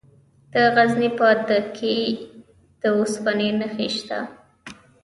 د غزني په ده یک کې د اوسپنې نښې شته.